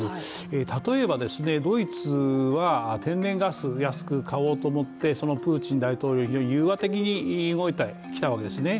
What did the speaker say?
例えば、ドイツは天然ガスを安く買おうと思って、プーチン大統領に融和的に動いてきたわけですね。